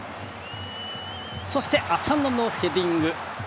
そして、浅野のヘディング。